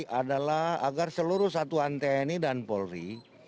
yang penting adalah agar seluruh satuan tni dan polri